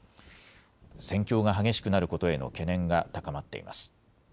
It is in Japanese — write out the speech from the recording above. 戦況が激しくなることへの懸念が高まっています。